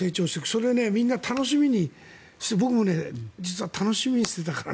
それで、みんな楽しみにして僕も楽しみにしてたから。